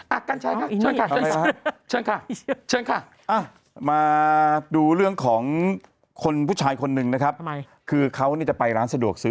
อ่ะกัญชัยค่ะเชิญค่ะมาดูเรื่องของผู้ชายคนนึงนะครับคือเขาจะไปร้านสะดวกซื้อ